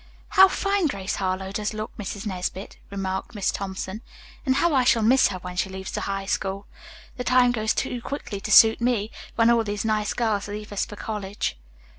"How fine Grace Harlowe does look, Mrs. Nesbit," remarked Miss Thompson, "and how I shall miss her when she leaves the High School! The time goes too quickly to suit me, when all these nice girls leave us for college."